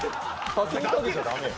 先にかけちゃダメよ。